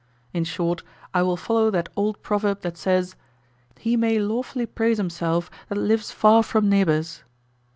In short, I will follow that old proverb that says, "He may lawfully praise himself that lives far from neighbors."